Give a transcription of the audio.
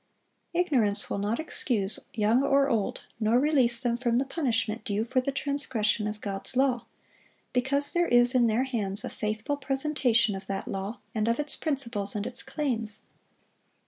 Ignorance will not excuse young or old, nor release them from the punishment due for the transgression of God's law; because there is in their hands a faithful presentation of that law and of its principles and its claims.